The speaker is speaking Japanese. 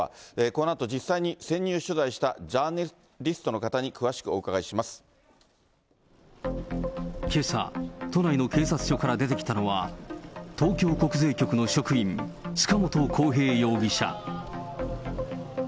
このあと実際に潜入取材をしたジャーナリストの方に詳しくお伺いけさ、都内の警察署から出てきたのは、東京国税局の職員、塚本晃平容疑者。